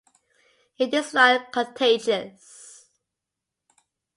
It is not contagious.